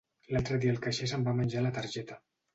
L,altre dia el caixer se,m va menjar la targeta.